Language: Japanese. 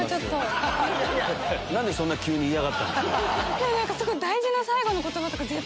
何でそんな急に嫌がったんですか？